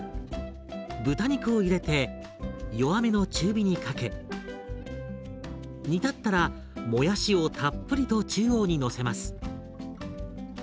豚肉を入れて弱めの中火にかけ煮立ったらもやしをたっぷりと中央にのせます。